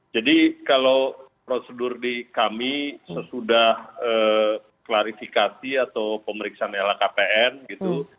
jadi kalau prosedur di kami sesudah klarifikasi atau pemeriksaan lhkpn gitu